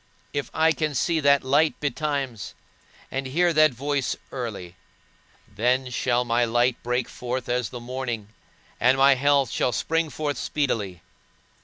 If I can see that light betimes, and hear that voice early, Then shall my light break forth as the morning, and my health shall spring forth speedily.